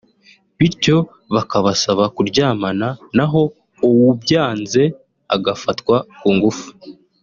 bityo bakabasaba kuryamana naho uwubyanze agafatwa ku ngufu